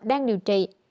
đang điều trị